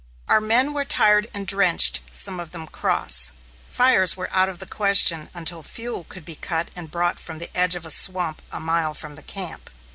Our men were tired and drenched, some of them cross; fires were out of the question until fuel could be cut and brought from the edge of a swamp a mile from camp.